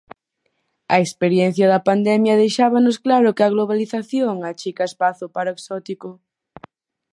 A experiencia da pandemia deixábanos claro que a globalización achica espazo para o exótico.